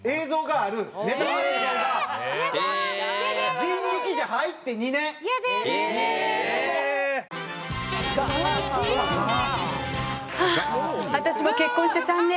ああ私も結婚して３年。